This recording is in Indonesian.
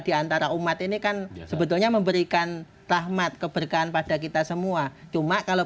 diantara umat ini kan sebetulnya memberikan rahmat keberkahan pada kita semua cuma kalau